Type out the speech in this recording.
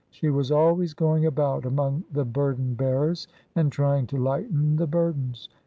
She was always going about among the burden bearers, and trying to lighten the burdens.